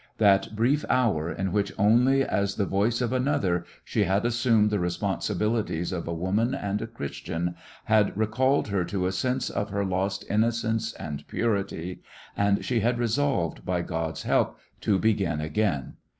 That brief hour in which only as the voice of another she had assumed the responsibilities of a woman and a Christian had recalled her to a sense of her lost innocence and purity, and she had resolved, by God's help, to begin again.